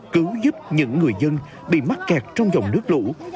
cứu giúp những người dân bị mắc kẹt trong dòng nước lũ